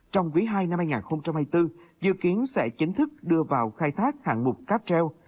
trong quý ii năm hai nghìn hai mươi bốn dự kiến sẽ chính thức đưa vào khai thác hạng mục cáp treo